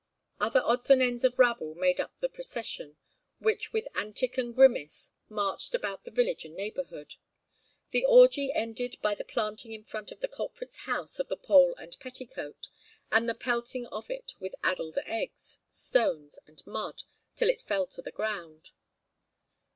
Other orts and ends of rabble made up the procession, which with antic and grimace marched about the village and neighbourhood. The orgie ended by the planting in front of the culprit's house of the pole and petticoat, and the pelting of it with addled eggs, stones, and mud, till it fell to the ground.